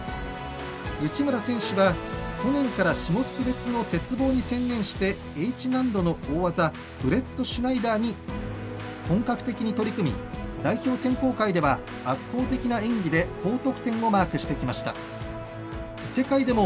内村選手は去年から種目別の鉄棒に専念してＨ難度の大技ブレットシュナイダーに本格的に取り組み代表選考会では圧倒的な演技で高得点をマークしてきました。